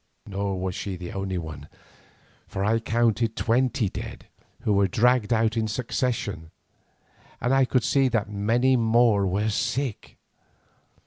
Nor was she the only one, for I counted twenty dead who were dragged out in succession, and I could see that many more were sick.